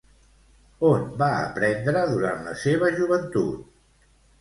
On va aprendre durant la seva joventut?